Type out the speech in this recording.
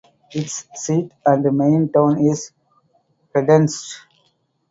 Its seat and main town is Hedensted.